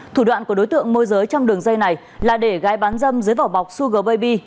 thủ đoạn của đối tượng môi giới trong đường dây này là để gái bán dâm dưới vỏ bọc suger baby